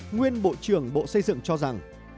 nguyên bộ trưởng bộ xây dựng cho rằng